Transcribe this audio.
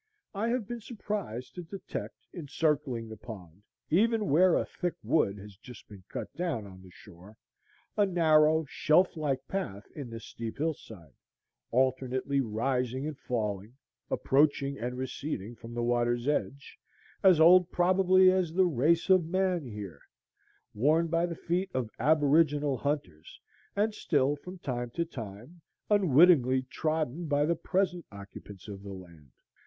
I have been surprised to detect encircling the pond, even where a thick wood has just been cut down on the shore, a narrow shelf like path in the steep hill side, alternately rising and falling, approaching and receding from the water's edge, as old probably as the race of man here, worn by the feet of aboriginal hunters, and still from time to time unwittingly trodden by the present occupants of the land.